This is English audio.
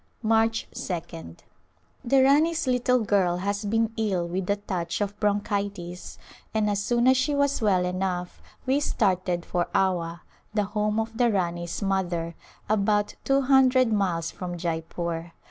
March 2d. The Rani's little girl has been ill with a touch of bronchitis, and as soon as she was well enough we started for Awa, the home of the Rani's mother, about two hundred miles from Jeypore.